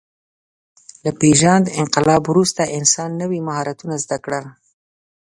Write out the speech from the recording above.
له پېژاند انقلاب وروسته انسان نوي مهارتونه زده کړل.